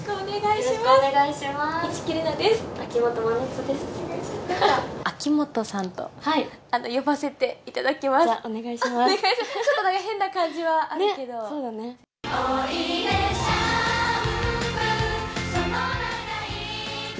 ちょっと変な感じはあるけど。